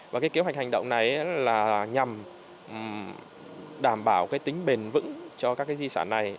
và kế hoạch hành động này là nhằm đảm bảo tính bền vững cho các di sản này